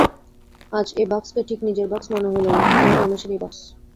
আজ এ বাক্সকে ঠিক নিজের বাক্স মনে হইল না, ইহা রমেশেরই বাক্স।